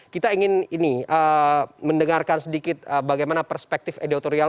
kita ingin mendengarkan sedikit bagaimana perspektif editorial